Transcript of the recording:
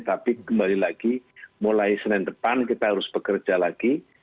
tapi kembali lagi mulai senin depan kita harus bekerja lagi